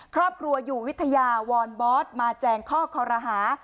ครอบครัวอยู่วิทยาวอนบอสมาแจงข้อคอรหา